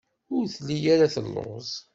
Ur telli ara telluẓ.